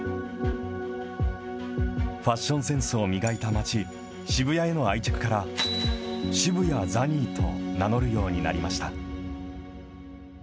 ファッションセンスを磨いた街、渋谷への愛着から渋谷ザニーと名乗るようになりました。